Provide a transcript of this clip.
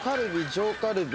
上カルビ。